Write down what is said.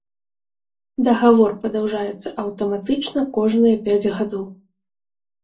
Дагавор падаўжаецца аўтаматычна кожныя пяць гадоў.